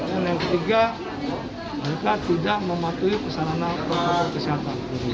dan yang ketiga mereka tidak mematuhi pesanan perkesatan